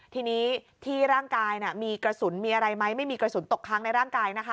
ทีนี้ที่ร่างกายมีกระสุนมีอะไรไหมไม่มีกระสุนตกค้างในร่างกายนะคะ